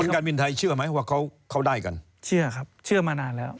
การบินไทยเชื่อไหมว่าเขาเขาได้กันเชื่อครับเชื่อมานานแล้ว